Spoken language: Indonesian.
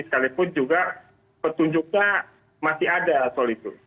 sekalipun juga petunjuknya masih ada soal itu